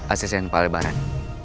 asisten pahala lebaran